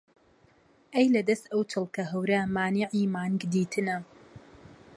ئەی لە دەس ئەو چڵکە هەورە مانیعی مانگ دیتنە